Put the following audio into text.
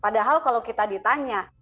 padahal kalau kita ditanya